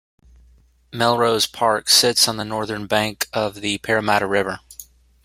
Melrose Park sits on the northern bank of the Parramatta River.